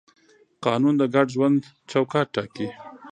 قانون د ګډ ژوند چوکاټ ټاکي.